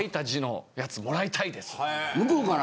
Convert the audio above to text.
向こうから。